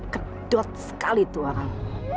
kedot sekali itu orang